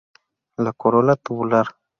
La corola tubular.